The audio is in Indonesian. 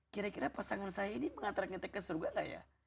kira kira pasangan saya ini mengantar kita ke surga gak ya